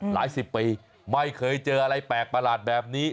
หลายสิบปีไม่เคยเจออะไรแปลกประหลาดแบบนี้